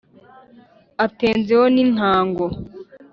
Atenze ho n'intango.